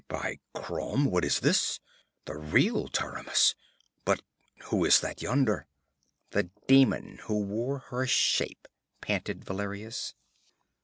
'By Crom, what is this? The real Taramis! But who is that yonder?' 'The demon who wore her shape,' panted Valerius.